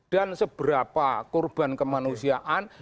dan seberapa kurban kemanusiaan